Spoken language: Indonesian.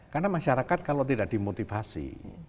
karena masyarakat kalau tidak dimotivasi